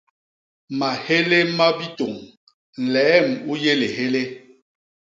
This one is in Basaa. Mahélé ma bitôñ; nleem u yé lihélé.